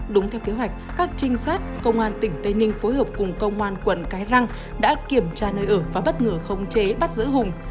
đúng theo kế hoạch các trinh sát công an tỉnh tây ninh phối hợp cùng công an quận cái răng đã kiểm tra nơi ở và bất ngờ không chế bắt giữ hùng